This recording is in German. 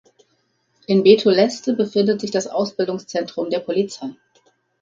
In Beto Leste befindet sich das Ausbildungszentrum der Polizei.